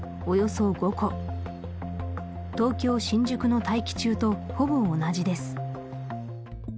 およそ５個東京・新宿の大気中とほぼ同じです